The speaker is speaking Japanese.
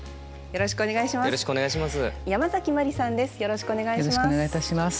よろしくお願いします。